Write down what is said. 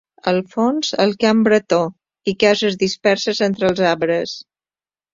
Al fons el camp bretó i cases disperses entre els arbres.